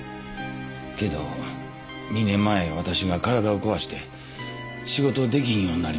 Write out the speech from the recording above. けど２年前わたしが体を壊して仕事できひんようになりまして。